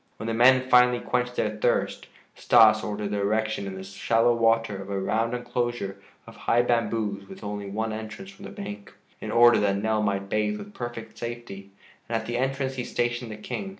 When the men finally quenched their thirst, Stas ordered the erection in the shallow water of a round enclosure of high bamboos with only one entrance from the bank, in order that Nell might bathe with perfect safety. And at the entrance he stationed the King.